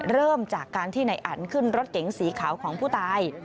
เริ่มจากการที่ในอันขึ้นรถเก๋งสีขาวของผู้ตาย